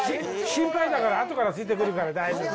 心配だから、あとからついてくるから大丈夫。